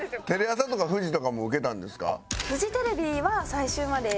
テレ朝とかフジとかも受けたんですか？